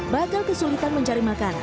bakal kesulitan mencari makanan